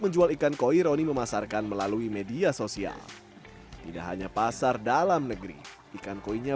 menjual ikan koi roni memasarkan melalui media sosial tidak hanya pasar dalam negeri ikan koinya